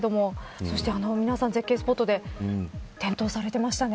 そして、皆さん絶景スポットで転倒されてましたね。